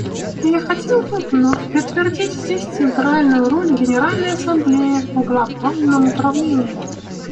Я хотел бы вновь подтвердить здесь центральную роль Генеральной Ассамблеи в глобальном управлении.